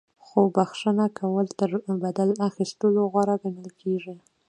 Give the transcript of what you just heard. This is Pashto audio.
خو بخښنه کول تر بدل اخیستلو غوره ګڼل کیږي.